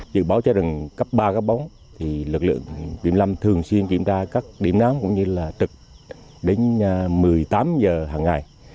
dự báo trái rừng cấp ba cấp bốn lực lượng tiệm lâm thường xuyên kiểm tra các điểm nám cũng như trực đến một mươi tám h hằng ngày